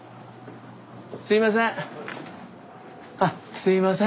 すいません。